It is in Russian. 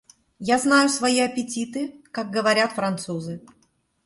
Я знаю свои аппетиты, как говорят французы.